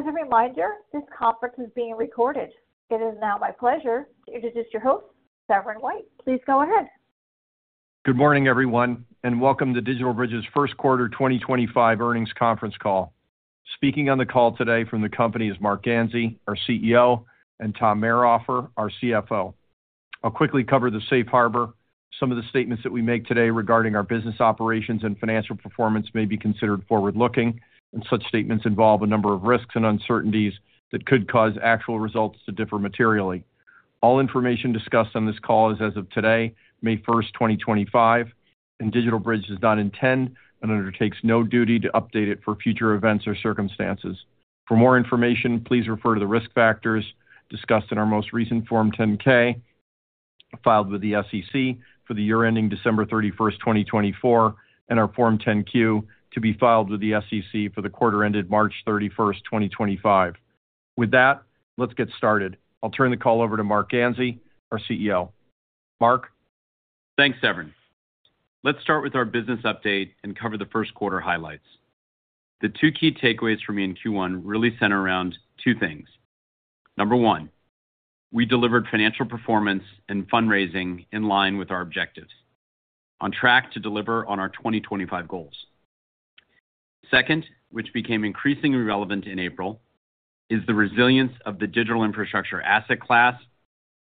As a reminder, this conference is being recorded. It is now my pleasure to introduce your host, Severin White. Please go ahead. Good morning, everyone, and welcome to DigitalBridge's first quarter 2025 earnings conference call. Speaking on the call today from the company is Marc Ganzi, our CEO, and Tom Mayrhofer, our CFO. I'll quickly cover the safe harbor. Some of the statements that we make today regarding our business operations and financial performance may be considered forward-looking, and such statements involve a number of risks and uncertainties that could cause actual results to differ materially. All information discussed on this call is as of today, May 1st, 2025, and DigitalBridge does not intend and undertakes no duty to update it for future events or circumstances. For more information, please refer to the risk factors discussed in our most recent Form 10-K filed with the SEC for the year ending December 31st, 2024, and our Form 10-Q to be filed with the SEC for the quarter ended March 31st, 2025. With that, let's get started. I'll turn the call over to Marc Ganzi, our CEO. Marc? Thanks, Severin. Let's start with our business update and cover the first quarter highlights. The two key takeaways for me in Q1 really center around two things. Number one, we delivered financial performance and fundraising in line with our objectives, on track to deliver on our 2025 goals. Second, which became increasingly relevant in April, is the resilience of the digital infrastructure asset class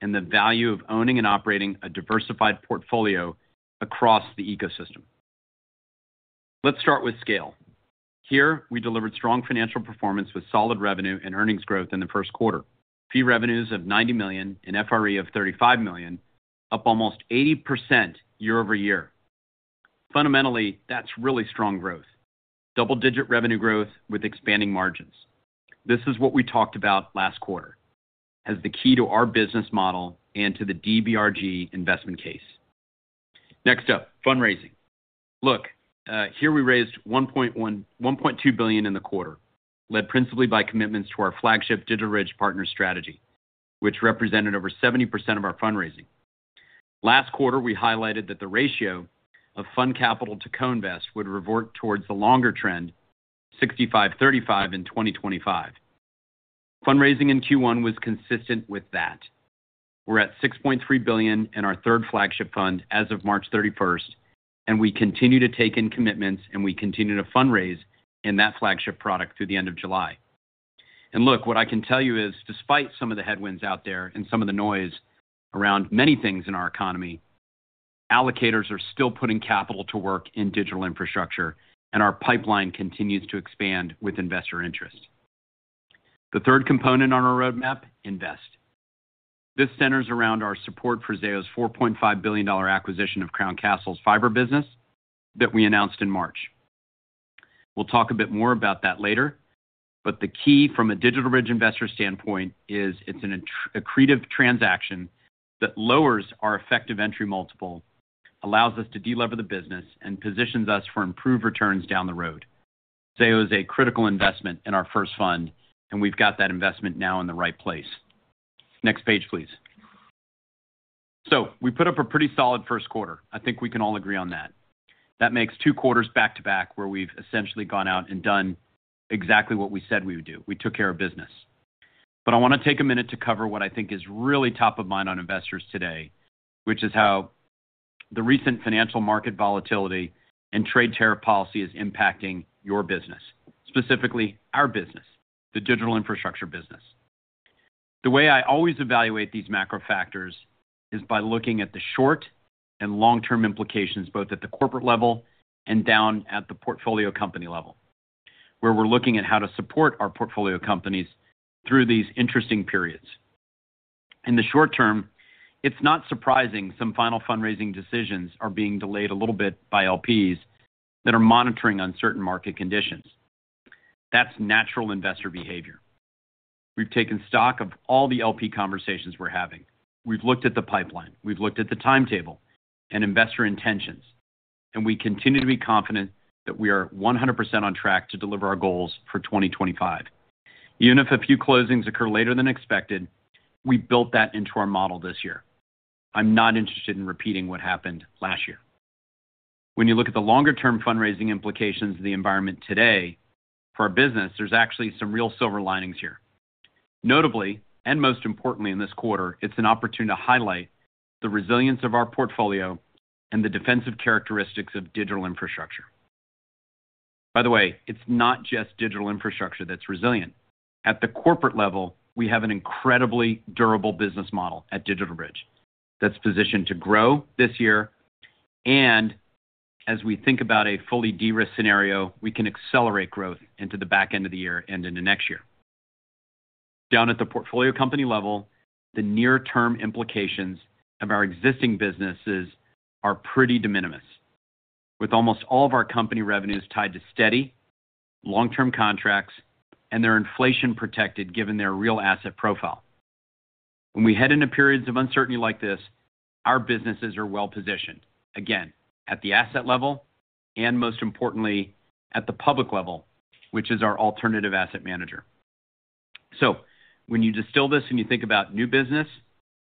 and the value of owning and operating a diversified portfolio across the ecosystem. Let's start with scale. Here, we delivered strong financial performance with solid revenue and earnings growth in the first quarter, fee revenues of $90 million and FRE of $35 million, up almost 80% year-over-year. Fundamentally, that's really strong growth, double-digit revenue growth with expanding margins. This is what we talked about last quarter as the key to our business model and to the DBRG investment case. Next up, fundraising. Look, here we raised $1.2 billion in the quarter, led principally by commitments to our flagship DigitalBridge Partners strategy, which represented over 70% of our fundraising. Last quarter, we highlighted that the ratio of fund capital to co-invest would revert towards the longer trend, 65/35 in 2025. Fundraising in Q1 was consistent with that. We are at $6.3 billion in our third flagship fund as of March 31, and we continue to take in commitments, and we continue to fundraise in that flagship product through the end of July. What I can tell you is, despite some of the headwinds out there and some of the noise around many things in our economy, allocators are still putting capital to work in digital infrastructure, and our pipeline continues to expand with investor interest. The third component on our roadmap: invest. This centers around our support for Zayo's $4.5 billion acquisition of Crown Castle's fiber business that we announced in March. We'll talk a bit more about that later, but the key from a DigitalBridge investor standpoint is it's an accretive transaction that lowers our effective entry multiple, allows us to delever the business, and positions us for improved returns down the road. Zayo is a critical investment in our first fund, and we've got that investment now in the right place. Next page, please. We put up a pretty solid first quarter. I think we can all agree on that. That makes two quarters back to back where we've essentially gone out and done exactly what we said we would do. We took care of business. I want to take a minute to cover what I think is really top of mind on investors today, which is how the recent financial market volatility and trade tariff policy is impacting your business, specifically our business, the digital infrastructure business. The way I always evaluate these macro factors is by looking at the short and long-term implications both at the corporate level and down at the portfolio company level, where we're looking at how to support our portfolio companies through these interesting periods. In the short term, it's not surprising some final fundraising decisions are being delayed a little bit by LPs that are monitoring uncertain market conditions. That's natural investor behavior. We've taken stock of all the LP conversations we're having. We've looked at the pipeline. We've looked at the timetable and investor intentions, and we continue to be confident that we are 100% on track to deliver our goals for 2025. Even if a few closings occur later than expected, we built that into our model this year. I'm not interested in repeating what happened last year. When you look at the longer-term fundraising implications of the environment today for our business, there's actually some real silver linings here. Notably, and most importantly in this quarter, it's an opportunity to highlight the resilience of our portfolio and the defensive characteristics of digital infrastructure. By the way, it's not just digital infrastructure that's resilient. At the corporate level, we have an incredibly durable business model at DigitalBridge that's positioned to grow this year. As we think about a fully de-risked scenario, we can accelerate growth into the back end of the year and into next year. Down at the portfolio company level, the near-term implications of our existing businesses are pretty de minimis, with almost all of our company revenues tied to steady long-term contracts and they're inflation-protected given their real asset profile. When we head into periods of uncertainty like this, our businesses are well-positioned, again, at the asset level and most importantly, at the public level, which is our alternative asset manager. When you distill this and you think about new business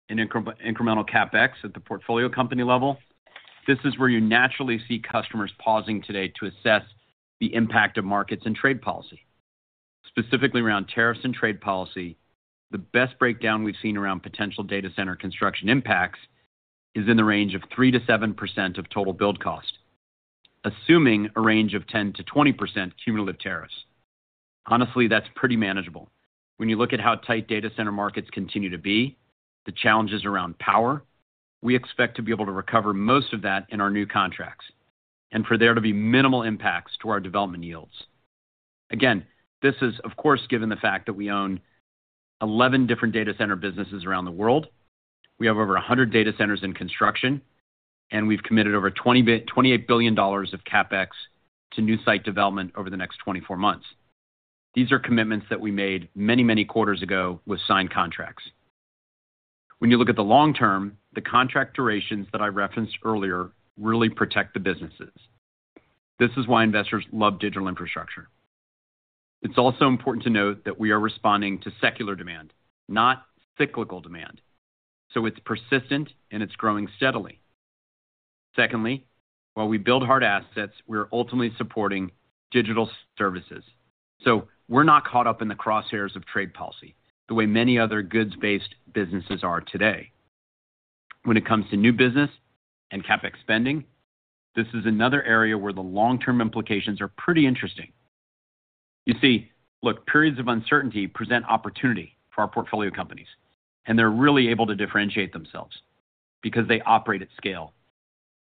and incremental CapEx at the portfolio company level, this is where you naturally see customers pausing today to assess the impact of markets and trade policy. Specifically around tariffs and trade policy, the best breakdown we've seen around potential data center construction impacts is in the range of 3%–7% of total build cost, assuming a range of 10%–20% cumulative tariffs. Honestly, that's pretty manageable. When you look at how tight data center markets continue to be, the challenges around power, we expect to be able to recover most of that in our new contracts and for there to be minimal impacts to our development yields. Again, this is, of course, given the fact that we own 11 different data center businesses around the world. We have over 100 data centers in construction, and we've committed over $28 billion of CapEx to new site development over the next 24 months. These are commitments that we made many, many quarters ago with signed contracts. When you look at the long term, the contract durations that I referenced earlier really protect the businesses. This is why investors love digital infrastructure. It's also important to note that we are responding to secular demand, not cyclical demand. So it's persistent, and it's growing steadily. Secondly, while we build hard assets, we're ultimately supporting digital services. So we're not caught up in the crosshairs of trade policy the way many other goods-based businesses are today. When it comes to new business and CapEx spending, this is another area where the long-term implications are pretty interesting. You see, look, periods of uncertainty present opportunity for our portfolio companies, and they're really able to differentiate themselves because they operate at scale.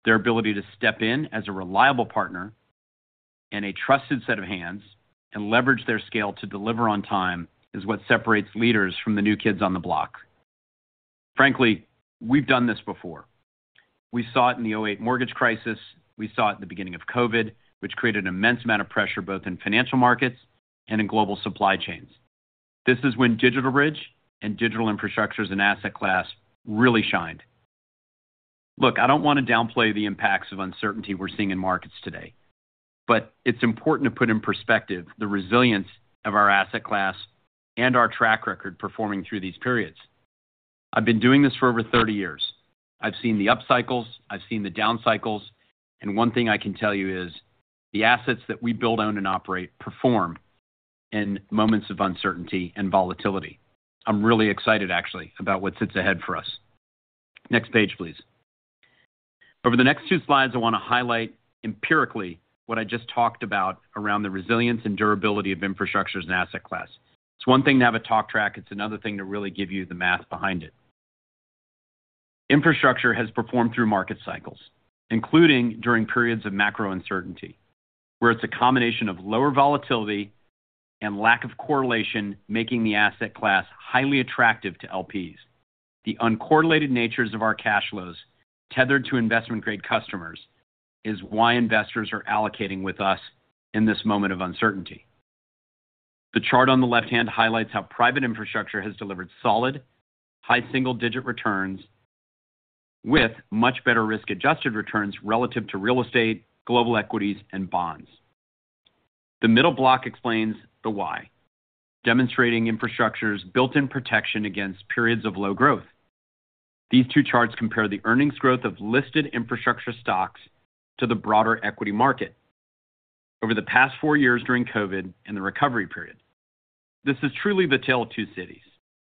Their ability to step in as a reliable partner and a trusted set of hands and leverage their scale to deliver on time is what separates leaders from the new kids on the block. Frankly, we've done this before. We saw it in the 2008 mortgage crisis. We saw it at the beginning of COVID, which created an immense amount of pressure both in financial markets and in global supply chains. This is when DigitalBridge and digital infrastructure as an asset class really shined. Look, I don't want to downplay the impacts of uncertainty we're seeing in markets today, but it's important to put in perspective the resilience of our asset class and our track record performing through these periods. I've been doing this for over 30 years. I've seen the upcycles, I've seen the downcycles, and one thing I can tell you is the assets that we build, own, and operate perform in moments of uncertainty and volatility. I'm really excited, actually, about what sits ahead for us. Next page, please. Over the next two slides, I want to highlight empirically what I just talked about around the resilience and durability of infrastructure as an asset class. It's one thing to have a talk track. It's another thing to really give you the math behind it. Infrastructure has performed through market cycles, including during periods of macro uncertainty, where it's a combination of lower volatility and lack of correlation making the asset class highly attractive to LPs. The uncorrelated nature of our cash flows tethered to investment-grade customers is why investors are allocating with us in this moment of uncertainty. The chart on the left hand highlights how private infrastructure has delivered solid high single-digit returns with much better risk-adjusted returns relative to real estate, global equities, and bonds. The middle block explains the why, demonstrating infrastructure's built-in protection against periods of low growth. These two charts compare the earnings growth of listed infrastructure stocks to the broader equity market over the past four years during COVID and the recovery period. This is truly the tale of two cities,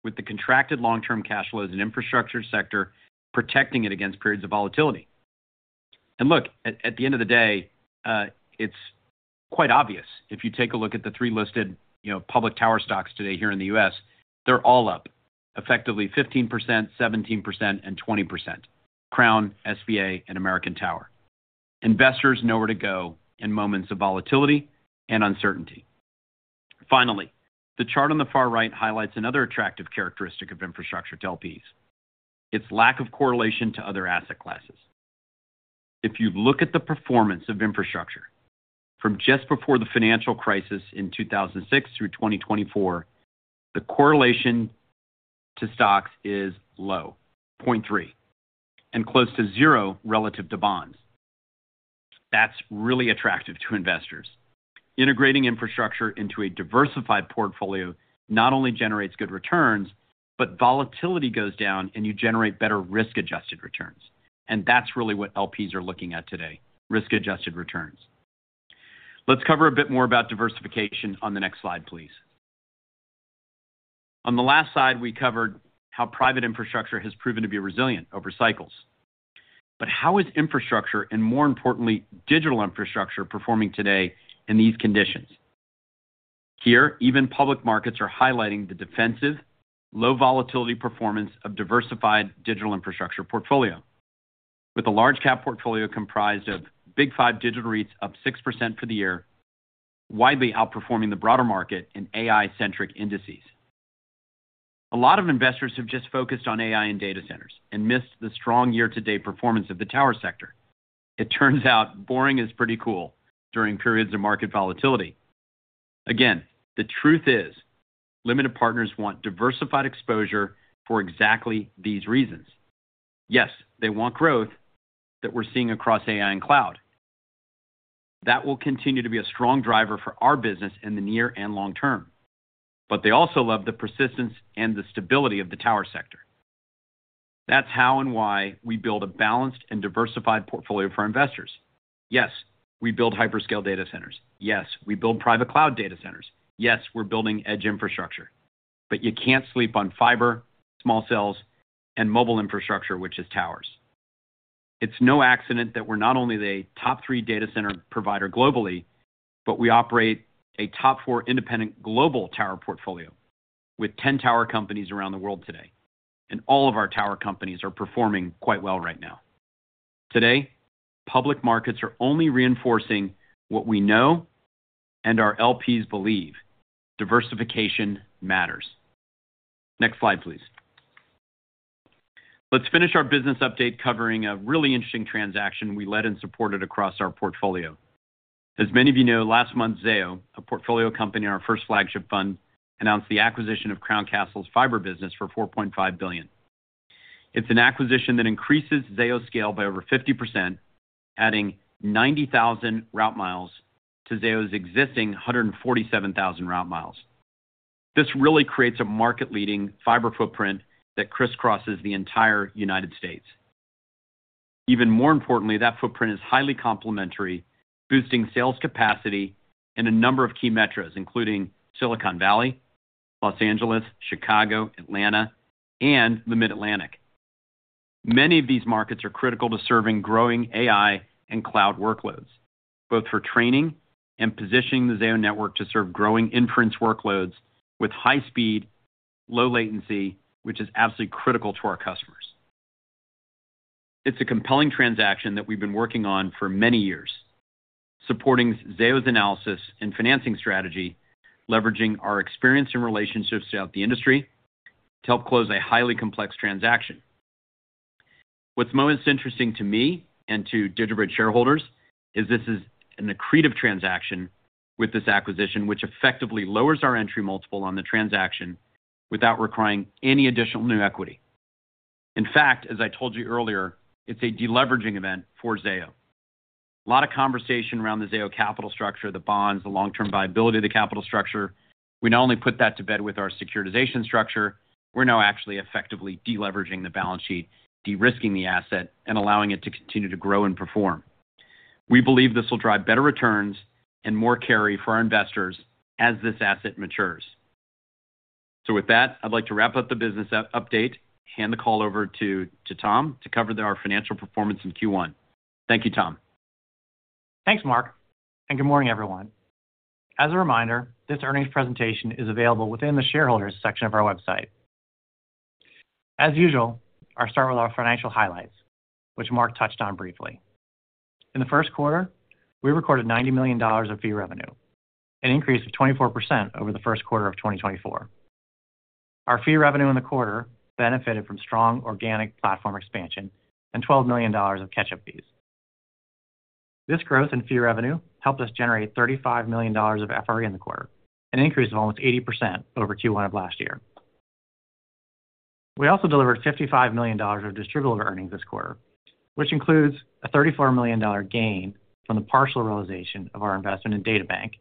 with the contracted long-term cash flows and infrastructure sector protecting it against periods of volatility. Look, at the end of the day, it's quite obvious. If you take a look at the three listed public tower stocks today here in the U.S., they're all up, effectively 15%, 17%, and 20%: Crown, SBA, and American Tower. Investors know where to go in moments of volatility and uncertainty. Finally, the chart on the far right highlights another attractive characteristic of infrastructure to LPs: its lack of correlation to other asset classes. If you look at the performance of infrastructure from just before the financial crisis in 2006 through 2024, the correlation to stocks is low, 0.3, and close to zero relative to bonds. That's really attractive to investors. Integrating infrastructure into a diversified portfolio not only generates good returns, but volatility goes down and you generate better risk-adjusted returns. That's really what LPs are looking at today: risk-adjusted returns. Let's cover a bit more about diversification on the next slide, please. On the last slide, we covered how private infrastructure has proven to be resilient over cycles. How is infrastructure, and more importantly, digital infrastructure, performing today in these conditions? Here, even public markets are highlighting the defensive, low-volatility performance of diversified digital infrastructure portfolio, with a large-cap portfolio comprised of Big 5 digital REITs up 6% for the year, widely outperforming the broader market in AI-centric indices. A lot of investors have just focused on AI and data centers and missed the strong year-to-date performance of the tower sector. It turns out boring is pretty cool during periods of market volatility. Again, the truth is limited partners want diversified exposure for exactly these reasons. Yes, they want growth that we're seeing across AI and cloud. That will continue to be a strong driver for our business in the near and long term. They also love the persistence and the stability of the tower sector. That's how and why we build a balanced and diversified portfolio for investors. Yes, we build hyperscale data centers. Yes, we build private cloud data centers. Yes, we're building edge infrastructure. You can't sleep on fiber, small cells, and mobile infrastructure, which is towers. It's no accident that we're not only the top three data center provider globally, but we operate a top four independent global tower portfolio with 10 tower companies around the world today. All of our tower companies are performing quite well right now. Today, public markets are only reinforcing what we know and our LPs believe: diversification matters. Next slide, please. Let's finish our business update covering a really interesting transaction we led and supported across our portfolio. As many of you know, last month, Zayo, a portfolio company in our first flagship fund, announced the acquisition of Crown Castle's fiber business for $4.5 billion. It's an acquisition that increases Zayo's scale by over 50%, adding 90,000 route miles to Zayo's existing 147,000 route miles. This really creates a market-leading fiber footprint that crisscrosses the entire United States. Even more importantly, that footprint is highly complementary, boosting sales capacity in a number of key metros, including Silicon Valley, Los Angeles, Chicago, Atlanta, and the Mid-Atlantic. Many of these markets are critical to serving growing AI and cloud workloads, both for training and positioning the Zayo network to serve growing inference workloads with high speed, low latency, which is absolutely critical to our customers. It's a compelling transaction that we've been working on for many years, supporting Zayo's analysis and financing strategy, leveraging our experience and relationships throughout the industry to help close a highly complex transaction. What's most interesting to me and to DigitalBridge shareholders is this is an accretive transaction with this acquisition, which effectively lowers our entry multiple on the transaction without requiring any additional new equity. In fact, as I told you earlier, it's a deleveraging event for Zayo. A lot of conversation around the Zayo capital structure, the bonds, the long-term viability of the capital structure. We not only put that to bed with our securitization structure, we're now actually effectively deleveraging the balance sheet, de-risking the asset, and allowing it to continue to grow and perform. We believe this will drive better returns and more carry for our investors as this asset matures. With that, I'd like to wrap up the business update and hand the call over to Tom to cover our financial performance in Q1. Thank you, Tom. Thanks, Marc. Good morning, everyone. As a reminder, this earnings presentation is available within the Shareholders section of our website. As usual, I'll start with our financial highlights, which Marc touched on briefly. In the first quarter, we recorded $90 million of fee revenue, an increase of 24% over the first quarter of 2024. Our fee revenue in the quarter benefited from strong organic platform expansion and $12 million of catch-up fees. This growth in fee revenue helped us generate $35 million of FRE in the quarter, an increase of almost 80% over Q1 of last year. We also delivered $55 million of distributable earnings this quarter, which includes a $34 million gain from the partial realization of our investment in DataBank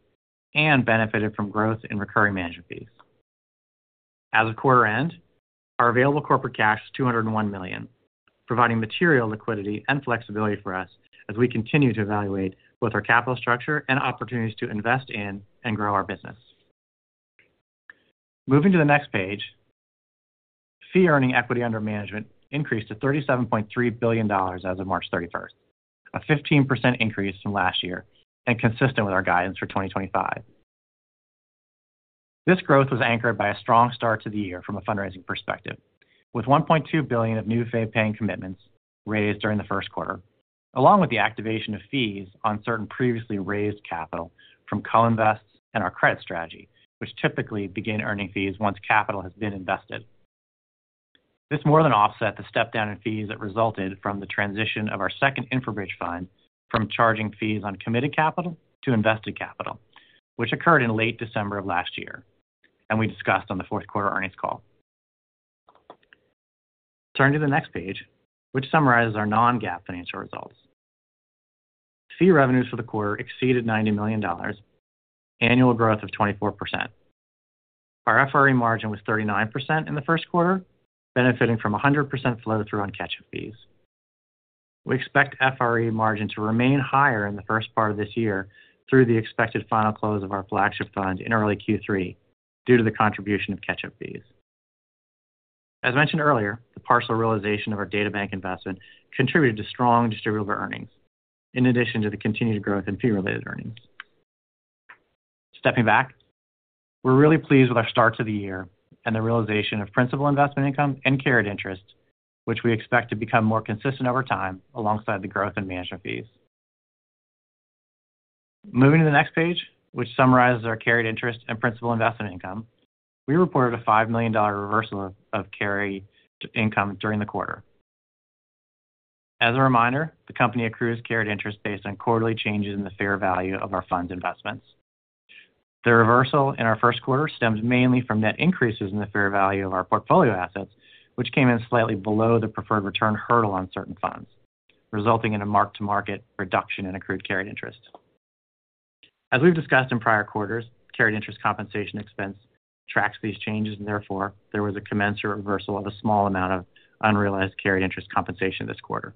and benefited from growth in recurring management fees. As the quarter end, our available corporate cash is $201 million, providing material liquidity and flexibility for us as we continue to evaluate both our capital structure and opportunities to invest in and grow our business. Moving to the next page, fee-earning equity under management increased to $37.3 billion as of March 31, a 15% increase from last year and consistent with our guidance for 2025. This growth was anchored by a strong start to the year from a fundraising perspective, with $1.2 billion of new fee-paying commitments raised during the first quarter, along with the activation of fees on certain previously raised capital from co-invest and our credit strategy, which typically begin earning fees once capital has been invested. This more than offset the step down in fees that resulted from the transition of our second InfraBridge Fund from charging fees on committed capital to invested capital, which occurred in late December of last year, and we discussed on the fourth quarter earnings call. Turning to the next page, which summarizes our non-GAAP financial results. Fee revenues for the quarter exceeded $90 million, annual growth of 24%. Our FRE margin was 39% in the first quarter, benefiting from 100% flow-through on catch-up fees. We expect FRE margin to remain higher in the first part of this year through the expected final close of our flagship fund in early Q3 due to the contribution of catch-up fees. As mentioned earlier, the partial realization of our DataBank investment contributed to strong distributable earnings, in addition to the continued growth in fee-related earnings. Stepping back, we're really pleased with our start to the year and the realization of principal investment income and carried interest, which we expect to become more consistent over time alongside the growth in management fees. Moving to the next page, which summarizes our carried interest and principal investment income, we reported a $5 million reversal of carry income during the quarter. As a reminder, the company accrues carried interest based on quarterly changes in the fair value of our funds investments. The reversal in our first quarter stems mainly from net increases in the fair value of our portfolio assets, which came in slightly below the preferred return hurdle on certain funds, resulting in a mark-to-market reduction in accrued carried interest. As we've discussed in prior quarters, carried interest compensation expense tracks these changes, and therefore, there was a commensurate reversal of a small amount of unrealized carried interest compensation this quarter.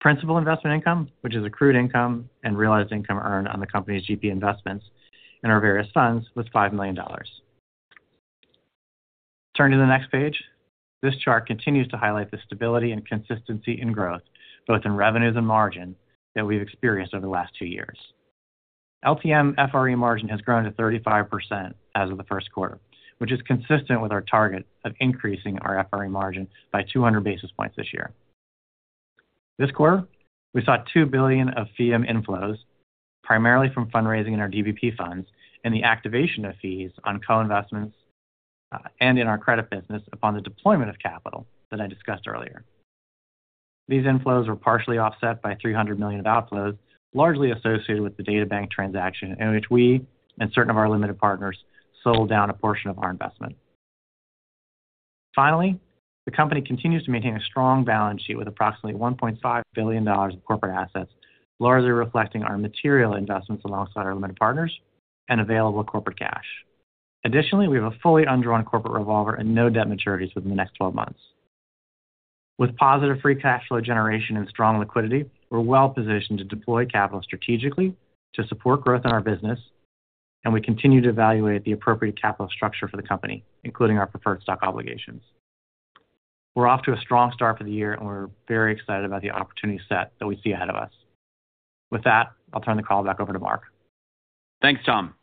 Principal investment income, which is accrued income and realized income earned on the company's GP investments in our various funds, was $5 million. Turning to the next page, this chart continues to highlight the stability and consistency in growth, both in revenues and margin, that we've experienced over the last two years. LTM FRE margin has grown to 35% as of the first quarter, which is consistent with our target of increasing our FRE margin by 200 basis points this year. This quarter, we saw $2 billion of fee inflows, primarily from fundraising in our DBP funds and the activation of fees on co-investments and in our credit business upon the deployment of capital that I discussed earlier. These inflows were partially offset by $300 million of outflows, largely associated with the DataBank transaction, in which we and certain of our limited partners sold down a portion of our investment. Finally, the company continues to maintain a strong balance sheet with approximately $1.5 billion of corporate assets, largely reflecting our material investments alongside our limited partners and available corporate cash. Additionally, we have a fully undrawn corporate revolver and no debt maturities within the next 12 months. With positive free cash flow generation and strong liquidity, we're well positioned to deploy capital strategically to support growth in our business, and we continue to evaluate the appropriate capital structure for the company, including our preferred stock obligations. We're off to a strong start for the year, and we're very excited about the opportunity set that we see ahead of us. With that, I'll turn the call back over to Marc. Thanks, Tom.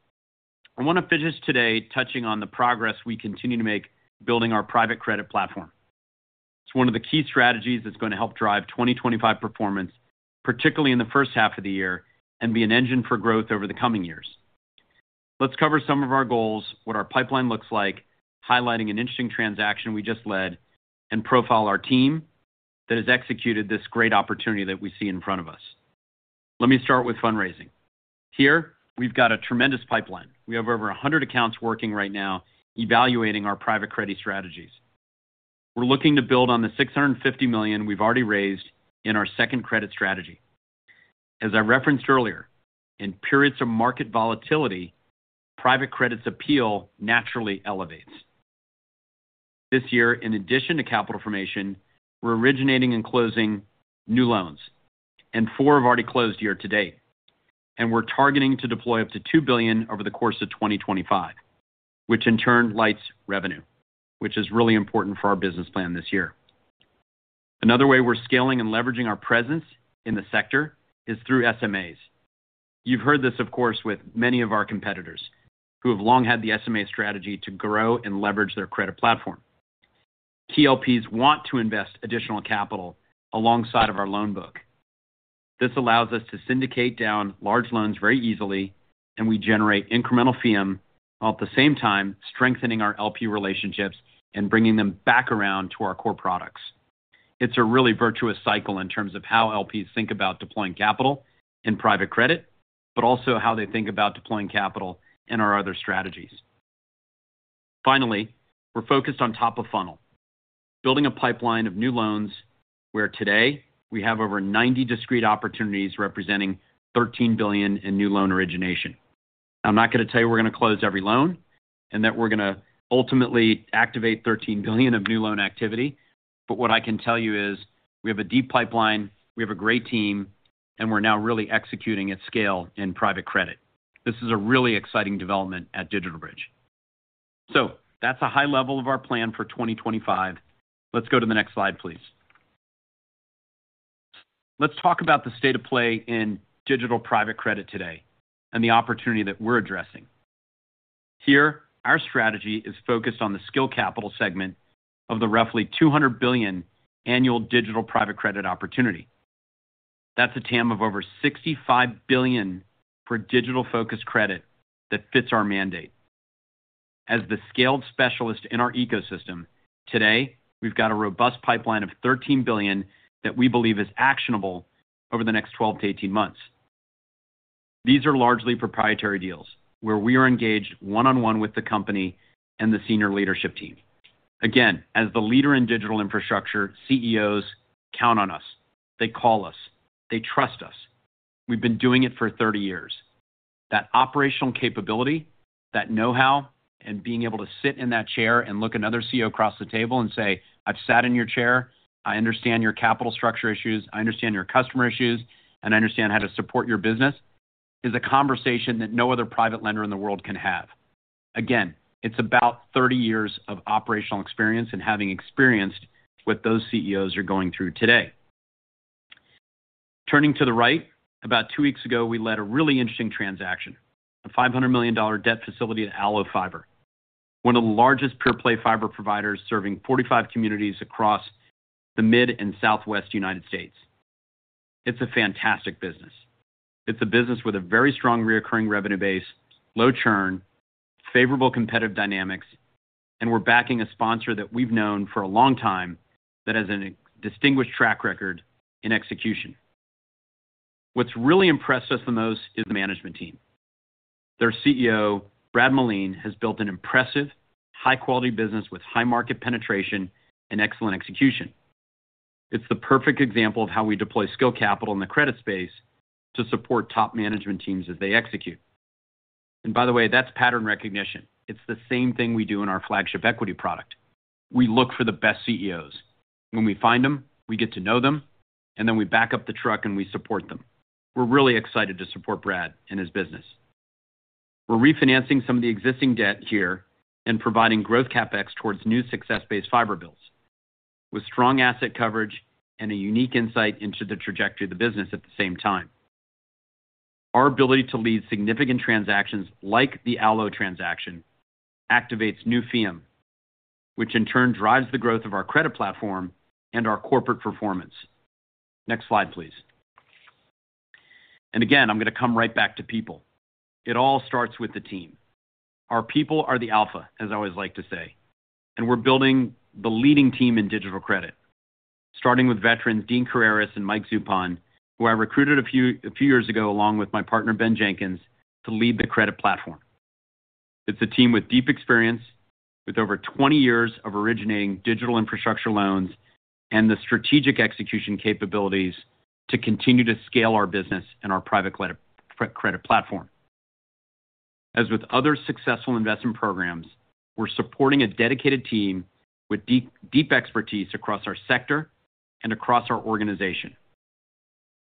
I want to finish today touching on the progress we continue to make building our private credit platform. It's one of the key strategies that's going to help drive 2025 performance, particularly in the first half of the year, and be an engine for growth over the coming years. Let's cover some of our goals, what our pipeline looks like, highlighting an interesting transaction we just led, and profile our team that has executed this great opportunity that we see in front of us. Let me start with fundraising. Here, we've got a tremendous pipeline. We have over 100 accounts working right now, evaluating our private credit strategies. We're looking to build on the $650 million we've already raised in our second credit strategy. As I referenced earlier, in periods of market volatility, private credit's appeal naturally elevates. This year, in addition to capital formation, we're originating and closing new loans, and four have already closed year to date. We're targeting to deploy up to $2 billion over the course of 2025, which in turn lights revenue, which is really important for our business plan this year. Another way we're scaling and leveraging our presence in the sector is through SMAs. You've heard this, of course, with many of our competitors, who have long had the SMA strategy to grow and leverage their credit platform. LPs want to invest additional capital alongside of our loan book. This allows us to syndicate down large loans very easily, and we generate incremental fee income, while at the same time strengthening our LP relationships and bringing them back around to our core products. It's a really virtuous cycle in terms of how LPs think about deploying capital in private credit, but also how they think about deploying capital in our other strategies. Finally, we're focused on top of funnel, building a pipeline of new loans where today we have over 90 discrete opportunities representing $13 billion in new loan origination. I'm not going to tell you we're going to close every loan and that we're going to ultimately activate $13 billion of new loan activity, but what I can tell you is we have a deep pipeline, we have a great team, and we're now really executing at scale in private credit. This is a really exciting development at DigitalBridge. That's a high level of our plan for 2025. Let's go to the next slide, please. Let's talk about the state of play in digital private credit today and the opportunity that we're addressing. Here, our strategy is focused on the skilled capital segment of the roughly $200 billion annual digital private credit opportunity. That's a TAM of over $65 billion for digital-focused credit that fits our mandate. As the scaled specialist in our ecosystem, today we've got a robust pipeline of $13 billion that we believe is actionable over the next 12 to 18 months. These are largely proprietary deals where we are engaged one-on-one with the company and the senior leadership team. Again, as the leader in digital infrastructure, CEOs count on us. They call us. They trust us. We've been doing it for 30 years. That operational capability, that know-how, and being able to sit in that chair and look at another CEO across the table and say, "I've sat in your chair. I understand your capital structure issues. I understand your customer issues, and I understand how to support your business," is a conversation that no other private lender in the world can have. Again, it's about 30 years of operational experience and having experienced what those CEOs are going through today. Turning to the right, about two weeks ago, we led a really interesting transaction, a $500 million debt facility at ALLO Fiber, one of the largest pure-play fiber providers serving 45 communities across the Mid and Southwest United States. It's a fantastic business. It's a business with a very strong recurring revenue base, low churn, favorable competitive dynamics, and we're backing a sponsor that we've known for a long time that has a distinguished track record in execution. What's really impressed us the most is the management team. Their CEO, Brad Moline, has built an impressive, high-quality business with high market penetration and excellent execution. It is the perfect example of how we deploy skilled capital in the credit space to support top management teams as they execute. By the way, that is pattern recognition. It is the same thing we do in our flagship equity product. We look for the best CEOs. When we find them, we get to know them, and then we back up the truck and we support them. We are really excited to support Brad and his business. We are refinancing some of the existing debt here and providing growth CapEx towards new success-based fiber builds with strong asset coverage and a unique insight into the trajectory of the business at the same time. Our ability to lead significant transactions like the ALLO transaction activates new fee income, which in turn drives the growth of our credit platform and our corporate performance. Next slide, please. I am going to come right back to people. It all starts with the team. Our people are the alpha, as I always like to say, and we're building the leading team in digital credit, starting with veterans Dean Criaras and Mike Zupon, who I recruited a few years ago along with my partner, Ben Jenkins, to lead the credit platform. It's a team with deep experience, with over 20 years of originating digital infrastructure loans and the strategic execution capabilities to continue to scale our business and our private credit platform. As with other successful investment programs, we're supporting a dedicated team with deep expertise across our sector and across our organization.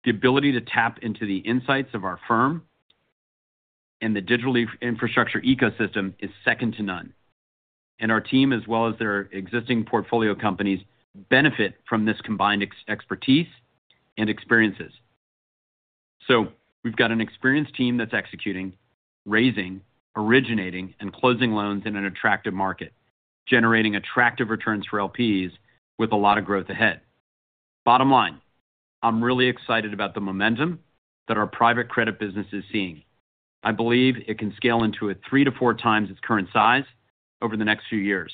The ability to tap into the insights of our firm and the digital infrastructure ecosystem is second to none. Our team, as well as their existing portfolio companies, benefit from this combined expertise and experiences. We have got an experienced team that is executing, raising, originating, and closing loans in an attractive market, generating attractive returns for LPs with a lot of growth ahead. Bottom line, I am really excited about the momentum that our private credit business is seeing. I believe it can scale into a three to four times its current size over the next few years.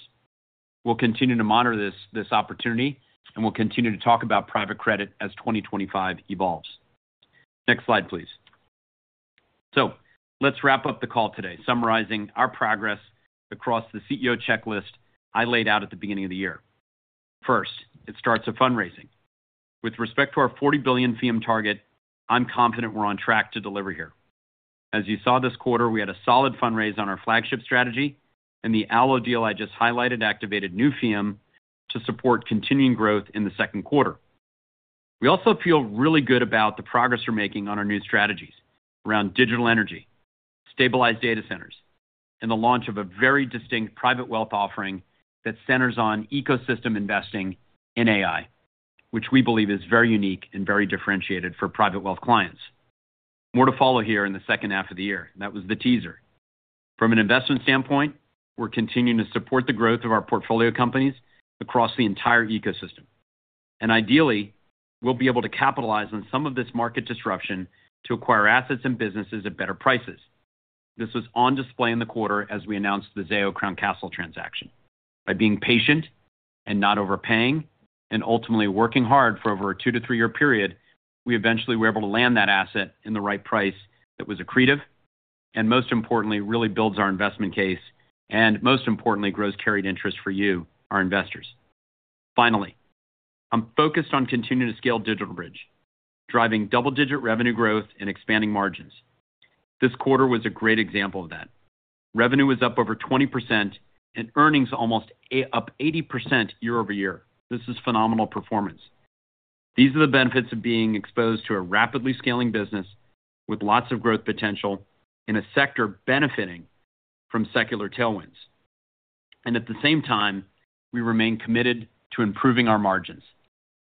We will continue to monitor this opportunity, and we will continue to talk about private credit as 2025 evolves. Next slide, please. Let us wrap up the call today, summarizing our progress across the CEO checklist I laid out at the beginning of the year. First, it starts with fundraising. With respect to our $40 billion fee income target, I'm confident we're on track to deliver here. As you saw this quarter, we had a solid fundraise on our flagship strategy, and the ALLO deal I just highlighted activated new fee income to support continuing growth in the second quarter. We also feel really good about the progress we're making on our new strategies around digital energy, stabilized data centers, and the launch of a very distinct private wealth offering that centers on ecosystem investing in AI, which we believe is very unique and very differentiated for private wealth clients. More to follow here in the second half of the year. That was the teaser. From an investment standpoint, we're continuing to support the growth of our portfolio companies across the entire ecosystem. Ideally, we'll be able to capitalize on some of this market disruption to acquire assets and businesses at better prices. This was on display in the quarter as we announced the Zayo-Crown Castle transaction. By being patient and not overpaying, and ultimately working hard for over a two to three-year period, we eventually were able to land that asset in the right price that was accretive and, most importantly, really builds our investment case and, most importantly, grows carried interest for you, our investors. Finally, I'm focused on continuing to scale DigitalBridge, driving double-digit revenue growth and expanding margins. This quarter was a great example of that. Revenue was up over 20% and earnings almost up 80% year-over-year. This is phenomenal performance. These are the benefits of being exposed to a rapidly scaling business with lots of growth potential in a sector benefiting from secular tailwinds. At the same time, we remain committed to improving our margins,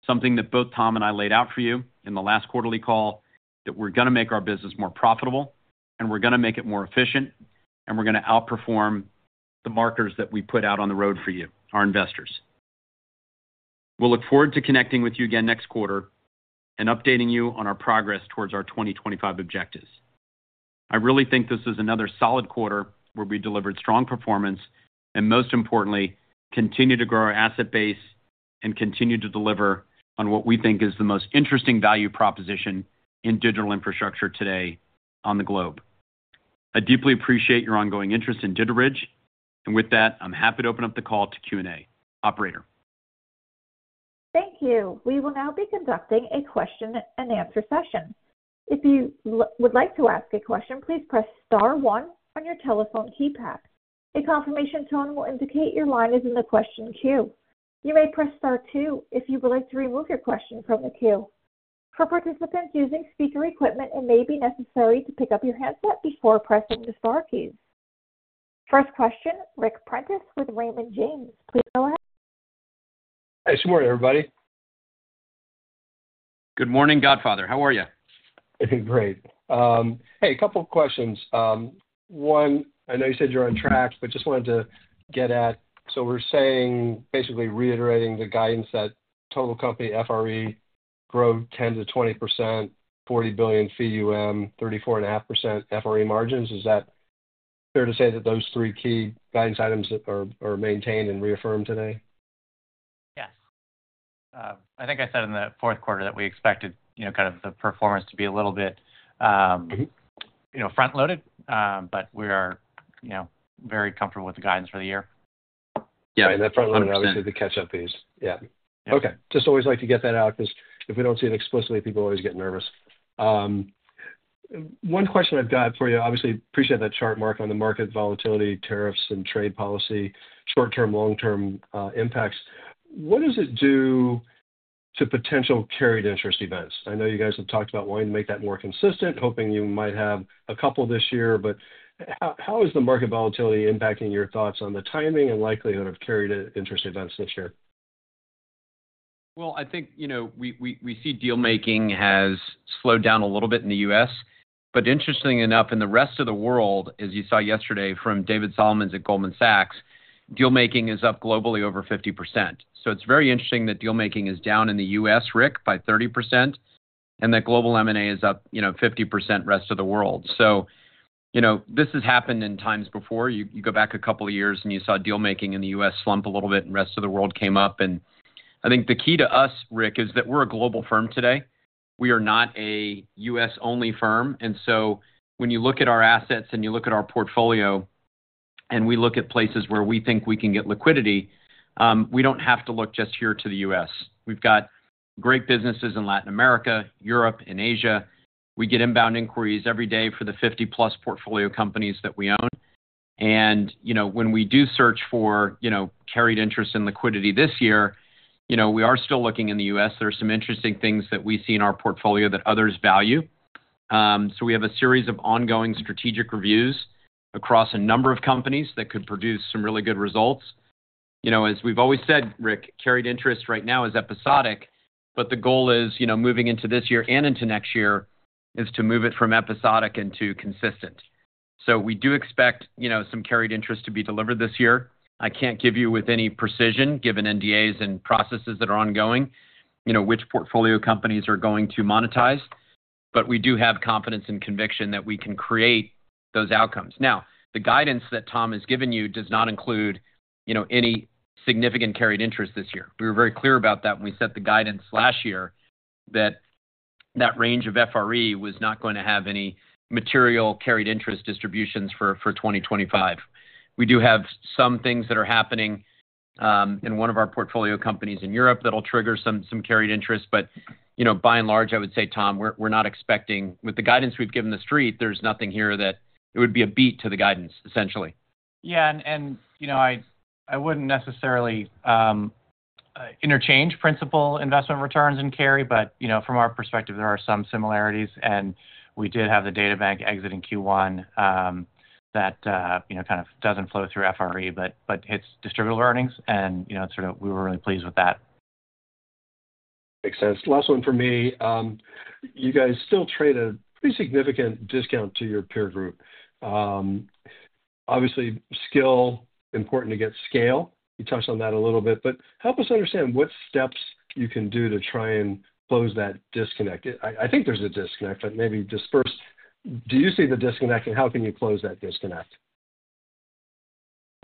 something that both Tom and I laid out for you in the last quarterly call, that we're going to make our business more profitable, and we're going to make it more efficient, and we're going to outperform the markers that we put out on the road for you, our investors. We look forward to connecting with you again next quarter and updating you on our progress towards our 2025 objectives. I really think this is another solid quarter where we delivered strong performance and, most importantly, continue to grow our asset base and continue to deliver on what we think is the most interesting value proposition in digital infrastructure today on the globe. I deeply appreciate your ongoing interest in DigitalBridge, and with that, I'm happy to open up the call to Q&A operator. Thank you. We will now be conducting a question-and-answer session. If you would like to ask a question, please press star one on your telephone keypad. A confirmation tone will indicate your line is in the question queue. You may press star two if you would like to remove your question from the queue. For participants using speaker equipment, it may be necessary to pick up your handset before pressing the star keys. First question, Ric Prentiss with Raymond James. Please go ahead. Hey, good morning, everybody. Good morning, Godfather. How are you? I'm doing great. Hey, a couple of questions. One, I know you said you're on track, but just wanted to get at, so we're saying, basically reiterating the guidance that total company FRE grow 10%–20%, $40 billion fee, 34.5% FRE margins. Is that fair to say that those three key guidance items are maintained and reaffirmed today? Yes. I think I said in the fourth quarter that we expected kind of the performance to be a little bit front-loaded, but we are very comfortable with the guidance for the year. Yeah, and that front-loading obviously to catch up is. Yeah. Okay. Just always like to get that out because if we do not see it explicitly, people always get nervous. One question I have got for you, obviously, appreciate that chart, Mark, on the market volatility, tariffs, and trade policy, short-term, long-term impacts. What does it do to potential carried interest events? I know you guys have talked about wanting to make that more consistent, hoping you might have a couple this year, but how is the market volatility impacting your thoughts on the timing and likelihood of carried interest events this year? I think we see dealmaking has slowed down a little bit in the U.S., but interestingly enough, in the rest of the world, as you saw yesterday from David Solomon at Goldman Sachs, dealmaking is up globally over 50%. It is very interesting that dealmaking is down in the U.S., Rick, by 30%, and that global M&A is up 50% rest of the world. This has happened in times before. You go back a couple of years and you saw dealmaking in the U.S. slump a little bit and rest of the world came up. I think the key to us, Rick, is that we are a global firm today. We are not a U.S.-only firm. When you look at our assets and you look at our portfolio and we look at places where we think we can get liquidity, we do not have to look just here to the U.S. We have great businesses in Latin America, Europe, and Asia. We get inbound inquiries every day for the 50-plus portfolio companies that we own. When we do search for carried interest and liquidity this year, we are still looking in the U.S. There are some interesting things that we see in our portfolio that others value. We have a series of ongoing strategic reviews across a number of companies that could produce some really good results. As we have always said, Rick, carried interest right now is episodic, but the goal moving into this year and into next year is to move it from episodic into consistent. We do expect some carried interest to be delivered this year. I can't give you with any precision, given NDAs and processes that are ongoing, which portfolio companies are going to monetize, but we do have confidence and conviction that we can create those outcomes. Now, the guidance that Tom has given you does not include any significant carried interest this year. We were very clear about that when we set the guidance last year that that range of FRE was not going to have any material carried interest distributions for 2025. We do have some things that are happening in one of our portfolio companies in Europe that'll trigger some carried interest, but by and large, I would say, Tom, we're not expecting with the guidance we've given the street, there's nothing here that it would be a beat to the guidance, essentially. Yeah, and I wouldn't necessarily interchange principal investment returns and carry, but from our perspective, there are some similarities, and we did have the DataBank exit in Q1 that kind of doesn't flow through FRE, but hits distributable earnings, and we were really pleased with that. Makes sense. Last one for me. You guys still trade a pretty significant discount to your peer group. Obviously, scale, important to get scale. You touched on that a little bit, but help us understand what steps you can do to try and close that disconnect. I think there's a disconnect, but maybe disperse. Do you see the disconnect, and how can you close that disconnect?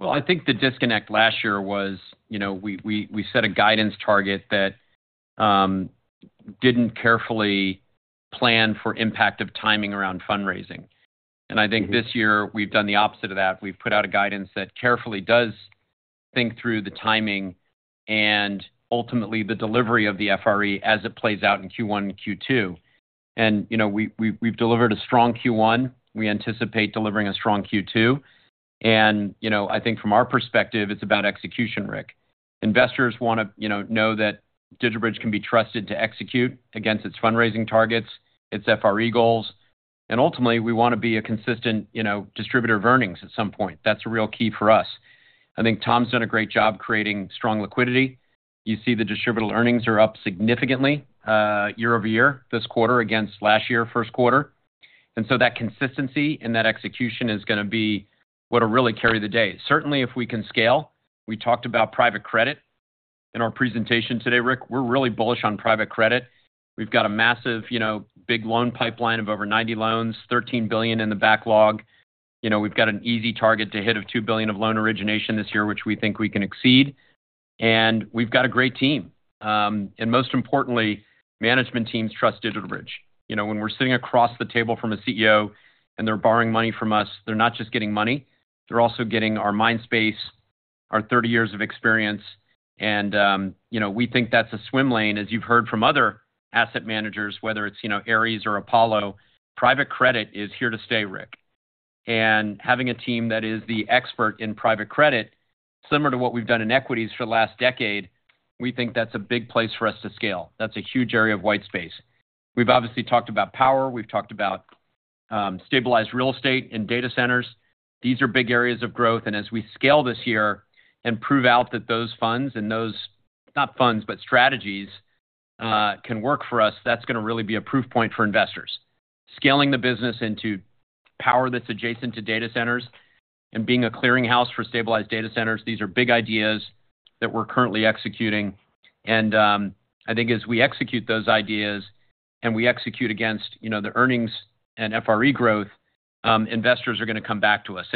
I think the disconnect last year was we set a guidance target that didn't carefully plan for impact of timing around fundraising. I think this year we've done the opposite of that. We've put out a guidance that carefully does think through the timing and ultimately the delivery of the FRE as it plays out in Q1 and Q2. We've delivered a strong Q1. We anticipate delivering a strong Q2. I think from our perspective, it's about execution, Rick. Investors want to know that DigitalBridge can be trusted to execute against its fundraising targets, its FRE goals. Ultimately, we want to be a consistent distributor of earnings at some point. That's a real key for us. I think Tom's done a great job creating strong liquidity. You see the distributable earnings are up significantly year-over-year this quarter against last year's first quarter. That consistency and that execution is going to be what'll really carry the day. Certainly, if we can scale, we talked about private credit in our presentation today, Rick. We're really bullish on private credit. We've got a massive big loan pipeline of over 90 loans, $13 billion in the backlog. We've got an easy target to hit of $2 billion of loan origination this year, which we think we can exceed. We've got a great team. Most importantly, management teams trust DigitalBridge. When we're sitting across the table from a CEO and they're borrowing money from us, they're not just getting money. They're also getting our mind space, our 30 years of experience. We think that's a swim lane, as you've heard from other asset managers, whether it's Ares or Apollo. Private credit is here to stay, Rick. Having a team that is the expert in private credit, similar to what we've done in equities for the last decade, we think that's a big place for us to scale. That's a huge area of white space. We've obviously talked about power. We've talked about stabilized real estate and data centers. These are big areas of growth. As we scale this year and prove out that those funds and those, not funds, but strategies can work for us, that's going to really be a proof point for investors. Scaling the business into power that's adjacent to data centers and being a clearinghouse for stabilized data centers, these are big ideas that we're currently executing. I think as we execute those ideas and we execute against the earnings and FRE growth, investors are going to come back to us.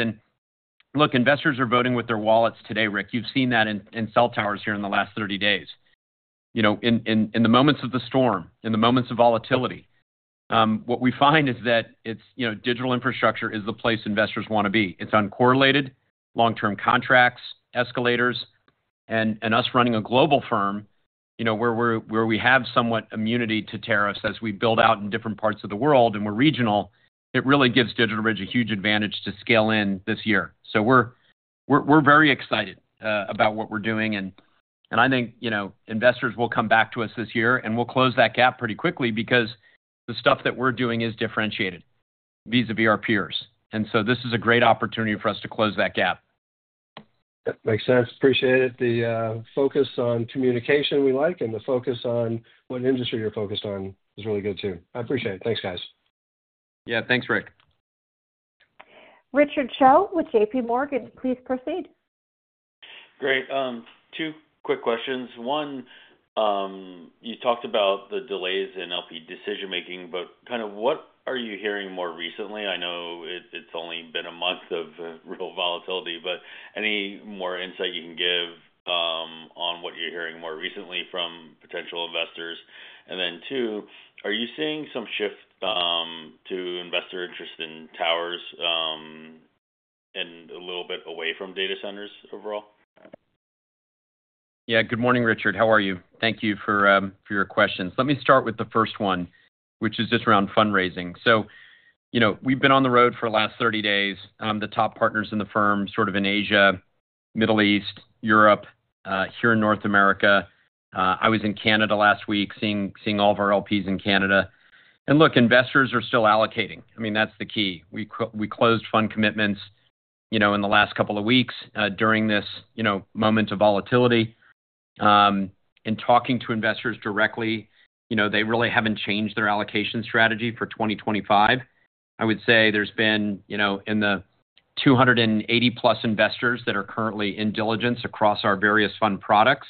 Look, investors are voting with their wallets today, Rick. You've seen that in cell towers here in the last 30 days. In the moments of the storm, in the moments of volatility, what we find is that digital infrastructure is the place investors want to be. It's uncorrelated, long-term contracts, escalators. Us running a global firm where we have somewhat immunity to tariffs as we build out in different parts of the world and we're regional, it really gives DigitalBridge a huge advantage to scale in this year. We are very excited about what we are doing. I think investors will come back to us this year, and we will close that gap pretty quickly because the stuff that we are doing is differentiated vis-à-vis our peers. This is a great opportunity for us to close that gap. That makes sense. Appreciate it. The focus on communication we like and the focus on what industry you are focused on is really good too. I appreciate it. Thanks, guys. Yeah, thanks, Rick. Great. Two quick questions. One, you talked about the delays in LP decision-making, but kind of what are you hearing more recently? I know it's only been a month of real volatility, but any more insight you can give on what you're hearing more recently from potential investors? Two, are you seeing some shift to investor interest in towers and a little bit away from data centers overall? Yeah. Good morning, Richard. How are you? Thank you for your questions. Let me start with the first one, which is just around fundraising. We've been on the road for the last 30 days. I'm the top partners in the firm sort of in Asia, Middle East, Europe, here in North America. I was in Canada last week seeing all of our LPs in Canada. Look, investors are still allocating. I mean, that's the key. We closed fund commitments in the last couple of weeks during this moment of volatility. Talking to investors directly, they really haven't changed their allocation strategy for 2025. I would say there's been, in the 280-plus investors that are currently in diligence across our various fund products,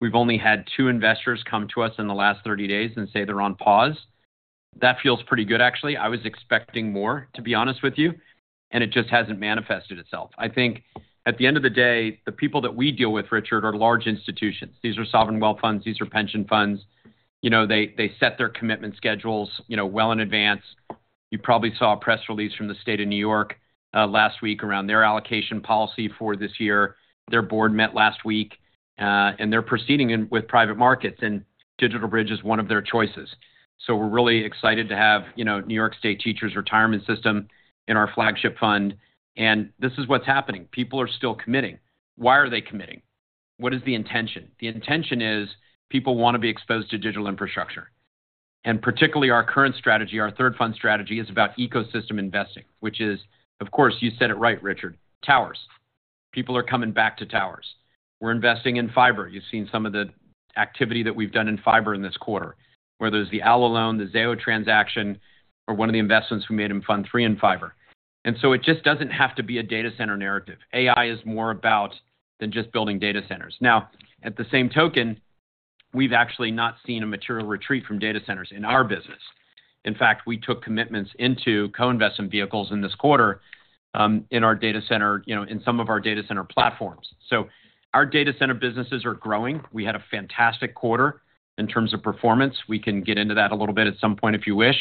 we've only had two investors come to us in the last 30 days and say they're on pause. That feels pretty good, actually. I was expecting more, to be honest with you, and it just hasn't manifested itself. I think at the end of the day, the people that we deal with, Richard, are large institutions. These are sovereign wealth funds. These are pension funds. They set their commitment schedules well in advance. You probably saw a press release from the state of New York last week around their allocation policy for this year. Their board met last week, and they're proceeding with private markets, and DigitalBridge is one of their choices. We're really excited to have New York State Teachers' Retirement System in our flagship fund. This is what's happening. People are still committing. Why are they committing? What is the intention? The intention is people want to be exposed to digital infrastructure. Particularly our current strategy, our third fund strategy is about ecosystem investing, which is, of course, you said it right, Richard, towers. People are coming back to towers. We're investing in fiber. You've seen some of the activity that we've done in fiber in this quarter, whether it's the Allo loan, the Zayo transaction, or one of the investments we made in Fund 3 in fiber. It just doesn't have to be a data center narrative. AI is more about than just building data centers. Now, at the same token, we've actually not seen a material retreat from data centers in our business. In fact, we took commitments into co-investment vehicles in this quarter in our data center, in some of our data center platforms. So our data center businesses are growing. We had a fantastic quarter in terms of performance. We can get into that a little bit at some point if you wish.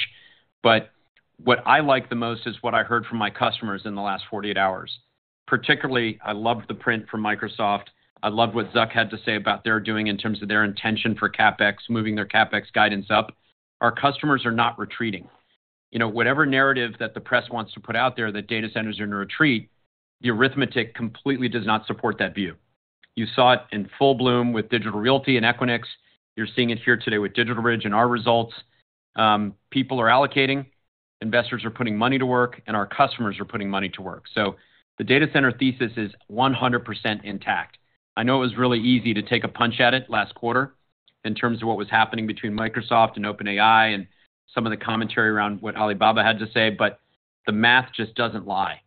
What I like the most is what I heard from my customers in the last 48 hours. Particularly, I loved the print from Microsoft. I loved what Zuck had to say about their doing in terms of their intention for CapEx, moving their CapEx guidance up. Our customers are not retreating. Whatever narrative that the press wants to put out there that data centers are in a retreat, the arithmetic completely does not support that view. You saw it in full bloom with Digital Realty and Equinix. You're seeing it here today with DigitalBridge and our results. People are allocating. Investors are putting money to work, and our customers are putting money to work. The data center thesis is 100% intact. I know it was really easy to take a punch at it last quarter in terms of what was happening between Microsoft and OpenAI and some of the commentary around what Alibaba had to say, but the math just doesn't lie.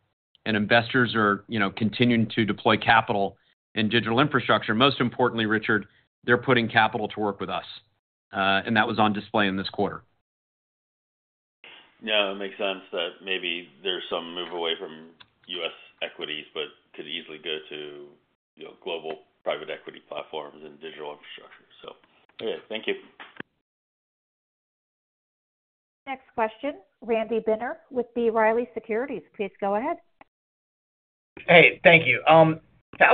Investors are continuing to deploy capital in digital infrastructure. Most importantly, Richard, they're putting capital to work with us. That was on display in this quarter. It makes sense that maybe there's some move away from US equities, but could easily go to global private equity platforms and digital infrastructure. Thank you. Next question, Randy Binner with B. Riley Securities. Please go ahead. Hey, thank you. I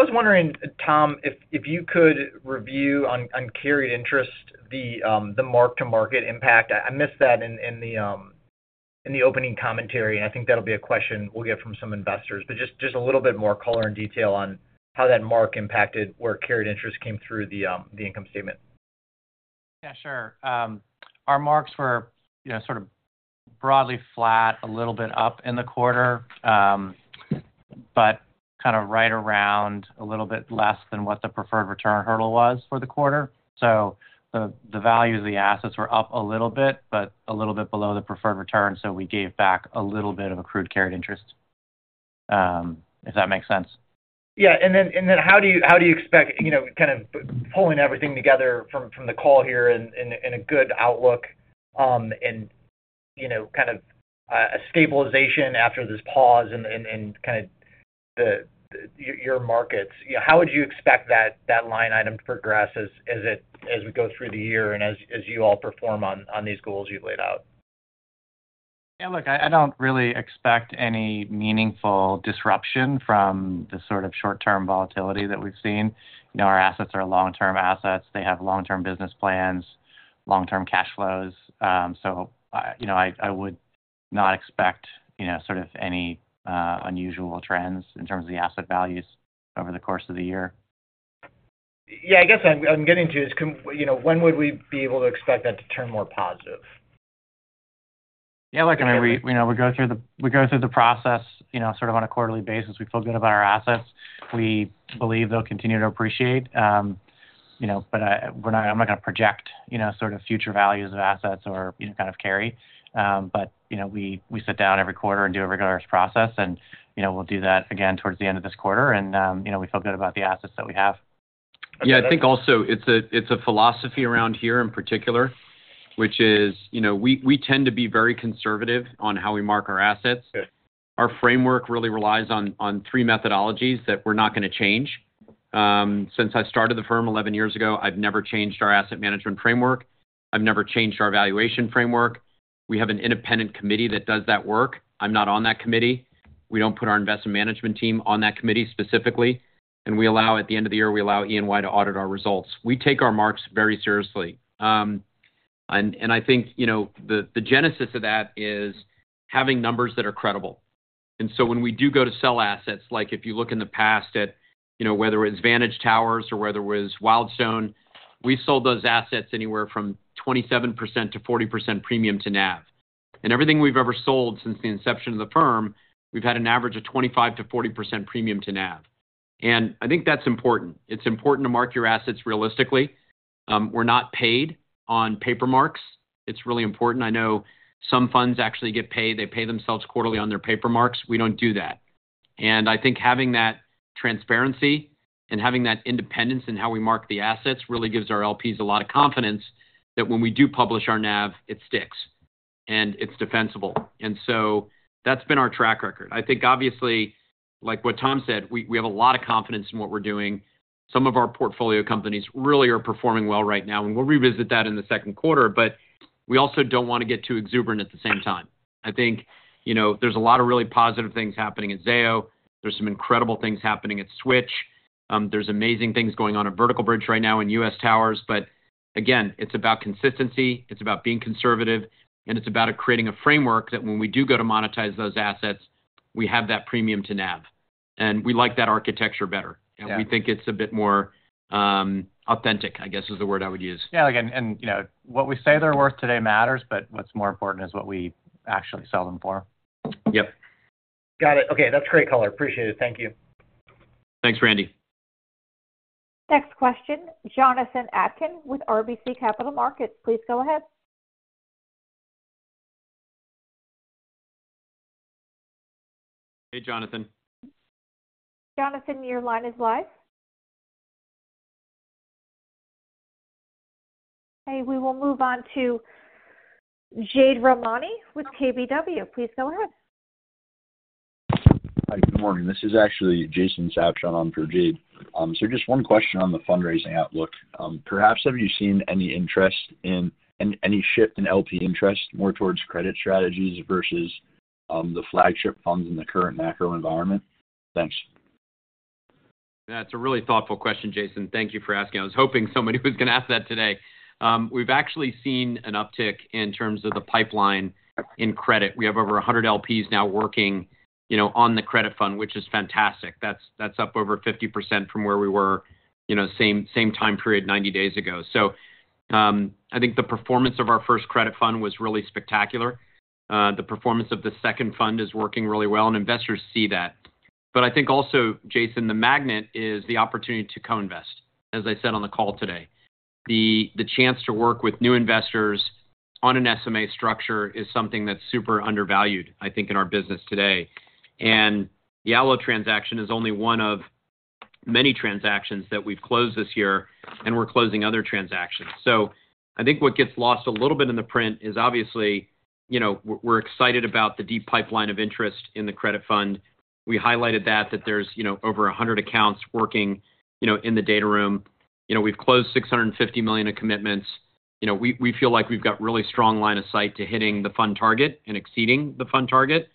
was wondering, Tom, if you could review on carried interest, the mark-to-market impact. I missed that in the opening commentary, and I think that'll be a question we'll get from some investors, but just a little bit more color and detail on how that mark impacted where carried interest came through the income statement. Yeah, sure. Our marks were sort of broadly flat, a little bit up in the quarter, but kind of right around a little bit less than what the preferred return hurdle was for the quarter. The value of the assets were up a little bit, but a little bit below the preferred return. We gave back a little bit of accrued carried interest, if that makes sense? Yeah. How do you expect kind of pulling everything together from the call here and a good outlook and kind of a stabilization after this pause in kind of your markets? How would you expect that line item to progress as we go through the year and as you all perform on these goals you've laid out? Yeah, look, I don't really expect any meaningful disruption from the sort of short-term volatility that we've seen. Our assets are long-term assets. They have long-term business plans, long-term cash flows. I would not expect sort of any unusual trends in terms of the asset values over the course of the year. Yeah, I guess I'm getting to is when would we be able to expect that to turn more positive? Yeah, look, I mean, we go through the process sort of on a quarterly basis. We feel good about our assets. We believe they'll continue to appreciate. I'm not going to project sort of future values of assets or kind of carry. We sit down every quarter and do a regularized process, and we'll do that again towards the end of this quarter. We feel good about the assets that we have. I think also it's a philosophy around here in particular, which is we tend to be very conservative on how we mark our assets. Our framework really relies on three methodologies that we're not going to change. Since I started the firm 11 years ago, I've never changed our asset management framework. I've never changed our valuation framework. We have an independent committee that does that work. I'm not on that committee. We don't put our investment management team on that committee specifically. At the end of the year, we allow Ernst & Young to audit our results. We take our marks very seriously. I think the genesis of that is having numbers that are credible. When we do go to sell assets, like if you look in the past at whether it was Vantage Towers or whether it was Wildstone, we sold those assets anywhere from 27%–40% premium to NAV. Everything we've ever sold since the inception of the firm, we've had an average of 25%–40% premium to NAV. I think that's important. It's important to mark your assets realistically. We're not paid on paper marks. It's really important. I know some funds actually get paid. They pay themselves quarterly on their paper marks. We don't do that. I think having that transparency and having that independence in how we mark the assets really gives our LPs a lot of confidence that when we do publish our NAV, it sticks and it's defensible. That's been our track record. I think, obviously, like what Tom said, we have a lot of confidence in what we're doing. Some of our portfolio companies really are performing well right now. We'll revisit that in the second quarter, but we also don't want to get too exuberant at the same time. I think there's a lot of really positive things happening at Zayo. There are some incredible things happening at Switch. There are amazing things going on at Vertical Bridge right now in U.S. Towers. It's about consistency. It's about being conservative. It is about creating a framework that when we do go to monetize those assets, we have that premium to NAV. We like that architecture better. We think it is a bit more authentic, I guess, is the word I would use. Yeah, and what we say they are worth today matters, but what is more important is what we actually sell them for. Yep. Got it. Okay. That is great color. Appreciate it. Thank you. Thanks, Randy. Next question, Jonathan Atkin with RBC Capital Markets. Please go ahead. Hey, Jonathan. Jonathan, your line is live. Hey, we will move on to Jade Rahmani with KBW. Please go ahead. Hi, good morning. This is actually Jason Sabshon on for Jade. Just one question on the fundraising outlook. Perhaps have you seen any interest in any shift in LP interest more towards credit strategies versus the flagship funds in the current macro environment? Thanks. Yeah, it's a really thoughtful question, Jason. Thank you for asking. I was hoping somebody was going to ask that today. We've actually seen an uptick in terms of the pipeline in credit. We have over 100 LPs now working on the credit fund, which is fantastic. That's up over 50% from where we were same time period 90 days ago. I think the performance of our first credit fund was really spectacular. The performance of the second fund is working really well, and investors see that. I think also, Jason, the magnet is the opportunity to co-invest, as I said on the call today. The chance to work with new investors on an SMA structure is something that's super undervalued, I think, in our business today. The Allo transaction is only one of many transactions that we've closed this year, and we're closing other transactions. I think what gets lost a little bit in the print is obviously we're excited about the deep pipeline of interest in the credit fund. We highlighted that, that there's over 100 accounts working in the data room. We've closed $650 million of commitments. We feel like we've got a really strong line of sight to hitting the fund target and exceeding the fund target.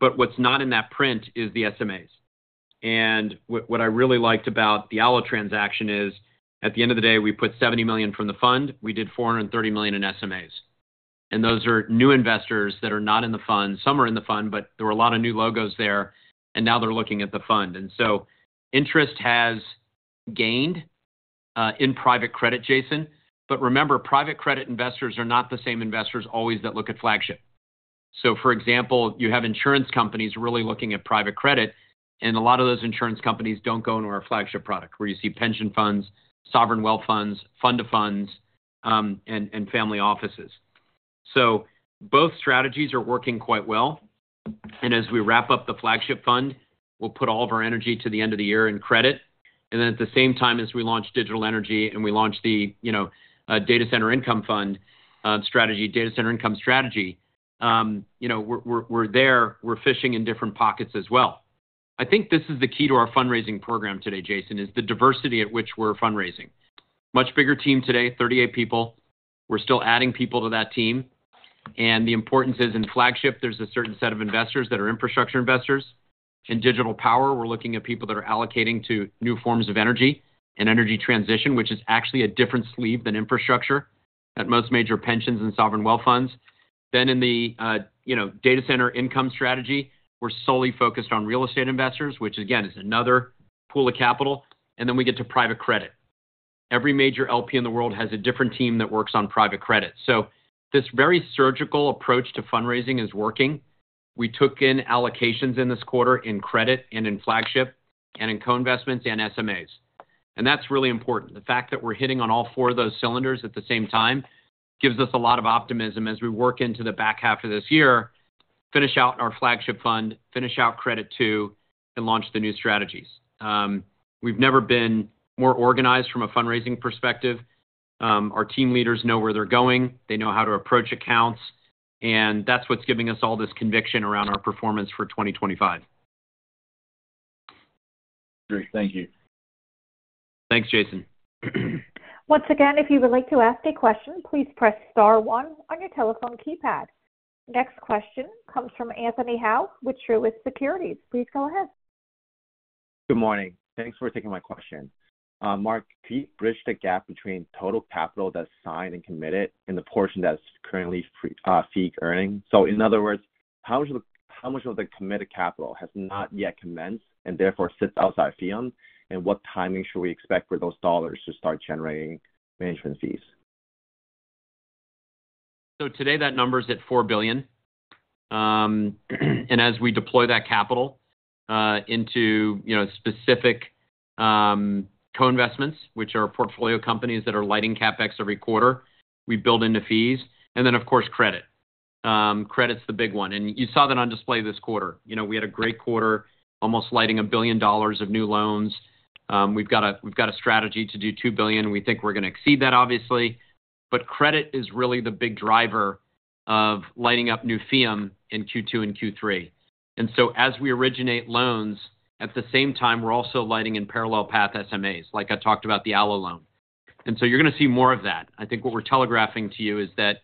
What's not in that print is the SMAs. What I really liked about the Allo transaction is at the end of the day, we put $70 million from the fund. We did $430 million in SMAs. Those are new investors that are not in the fund. Some are in the fund, but there were a lot of new logos there, and now they're looking at the fund. Interest has gained in private credit, Jason. Remember, private credit investors are not the same investors always that look at flagship. For example, you have insurance companies really looking at private credit, and a lot of those insurance companies do not go into our flagship product where you see pension funds, sovereign wealth funds, fund of funds, and family offices. Both strategies are working quite well. As we wrap up the flagship fund, we will put all of our energy to the end of the year in credit. At the same time as we launch digital energy and we launch the data center income strategy, data center income strategy, we are there. We are fishing in different pockets as well. I think this is the key to our fundraising program today, Jason, is the diversity at which we are fundraising. Much bigger team today, 38 people. We are still adding people to that team. The importance is in flagship, there is a certain set of investors that are infrastructure investors. In digital power, we are looking at people that are allocating to new forms of energy and energy transition, which is actually a different sleeve than infrastructure at most major pensions and sovereign wealth funds. In the data center income strategy, we are solely focused on real estate investors, which again is another pool of capital. We get to private credit. Every major LP in the world has a different team that works on private credit. This very surgical approach to fundraising is working. We took in allocations this quarter in credit, in flagship, and in co-investments and SMAs. That is really important. The fact that we're hitting on all four of those cylinders at the same time gives us a lot of optimism as we work into the back half of this year, finish out our flagship fund, finish out Credit II, and launch the new strategies. We've never been more organized from a fundraising perspective. Our team leaders know where they're going. They know how to approach accounts. That's what's giving us all this conviction around our performance for 2025. Great. Thank you. Thanks, Jason. Once again, if you would like to ask a question, please press star one on your telephone keypad. Next question comes from Anthony Hau with Truist Securities. Please go ahead. Good morning. Thanks for taking my question. Marc, can you bridge the gap between total capital that's signed and committed and the portion that's currently fee-earning? In other words, how much of the committed capital has not yet commenced and therefore sits outside of FEEUM? What timing should we expect for those dollars to start generating management fees? Today, that number is at $4 billion. As we deploy that capital into specific co-investments, which are portfolio companies that are lighting CapEx every quarter, we build into fees. Of course, credit. Credit's the big one. You saw that on display this quarter. We had a great quarter, almost lighting a billion dollars of new loans. We've got a strategy to do $2 billion. We think we're going to exceed that, obviously. Credit is really the big driver of lighting up new FEEUM in Q2 and Q3. As we originate loans, at the same time, we're also lighting in parallel path SMAs, like I talked about the Allo loan. You're going to see more of that. I think what we're telegraphing to you is that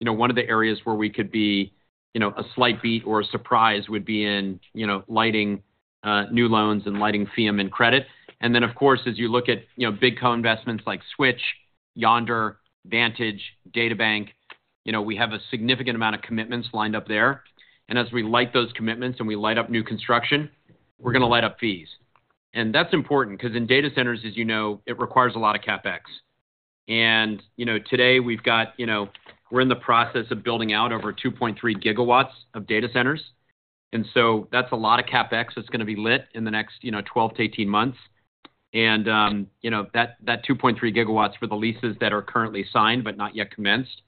one of the areas where we could be a slight beat or a surprise would be in lighting new loans and lighting FEEUM in credit. Of course, as you look at big co-investments like Switch, Yondr, Vantage, DataBank, we have a significant amount of commitments lined up there. As we light those commitments and we light up new construction, we're going to light up fees. That's important because in data centers, as you know, it requires a lot of CapEx. Today, we're in the process of building out over 2.3 gigawatts of data centers. That's a lot of CapEx that's going to be lit in the next 12 to 18 months. That 2.3 gigawatts for the leases that are currently signed but not yet commenced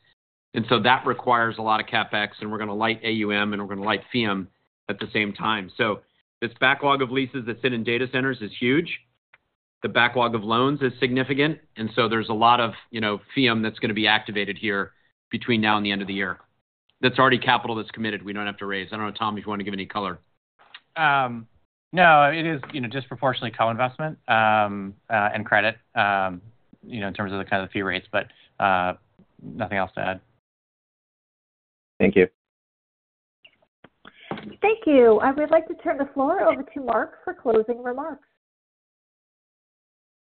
requires a lot of CapEx. We're going to light AUM, and we're going to light FEEUM at the same time. This backlog of leases that sit in data centers is huge. The backlog of loans is significant. There's a lot of FEEUM that's going to be activated here between now and the end of the year. That's already capital that's committed. We don't have to raise. I don't know, Tom, if you want to give any color. No, it is disproportionately co-investment and credit in terms of the kind of fee rates, but nothing else to add. Thank you. Thank you. I would like to turn the floor over to Marc for closing remarks.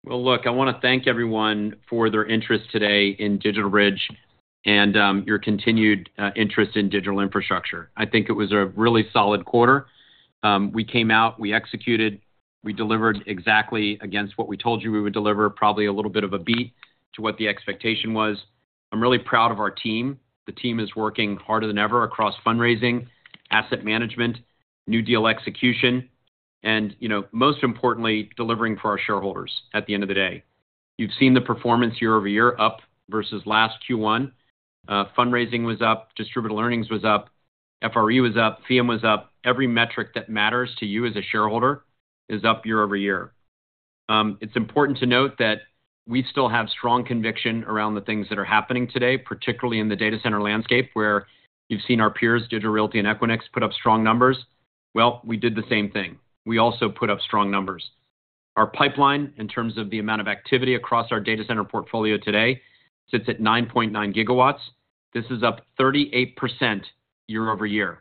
Look, I want to thank everyone for their interest today in DigitalBridge and your continued interest in digital infrastructure. I think it was a really solid quarter. We came out, we executed, we delivered exactly against what we told you we would deliver, probably a little bit of a beat to what the expectation was. I'm really proud of our team. The team is working harder than ever across fundraising, asset management, new deal execution, and most importantly, delivering for our shareholders at the end of the day. You've seen the performance year-over-year up versus last Q1. Fundraising was up, distributable earnings was up, FRE was up, FEEUM was up. Every metric that matters to you as a shareholder is up year-over-year. It's important to note that we still have strong conviction around the things that are happening today, particularly in the data center landscape where you've seen our peers, Digital Realty and Equinix, put up strong numbers. We did the same thing. We also put up strong numbers. Our pipeline, in terms of the amount of activity across our data center portfolio today, sits at 9.9 gigawatts. This is up 38% year-over-year.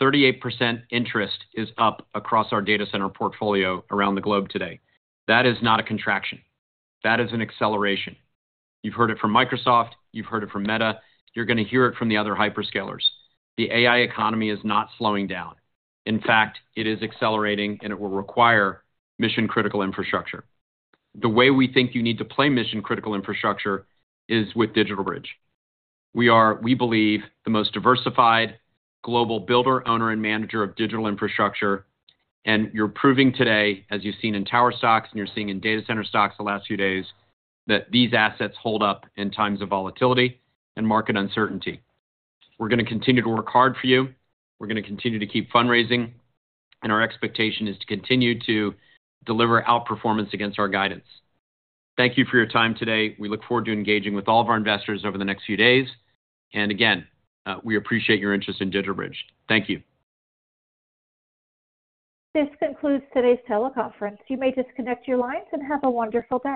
38% interest is up across our data center portfolio around the globe today. That is not a contraction. That is an acceleration. You've heard it from Microsoft. You've heard it from Meta. You're going to hear it from the other hyperscalers. The AI economy is not slowing down. In fact, it is accelerating, and it will require mission-critical infrastructure. The way we think you need to play mission-critical infrastructure is with DigitalBridge. We believe the most diversified global builder, owner, and manager of digital infrastructure. You are proving today, as you have seen in tower stocks and you are seeing in data center stocks the last few days, that these assets hold up in times of volatility and market uncertainty. We are going to continue to work hard for you. We are going to continue to keep fundraising. Our expectation is to continue to deliver outperformance against our guidance. Thank you for your time today. We look forward to engaging with all of our investors over the next few days. We appreciate your interest in DigitalBridge. Thank you. This concludes today's teleconference. You may disconnect your lines and have a wonderful day.